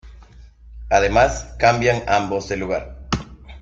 Además cambian ambos de lugar.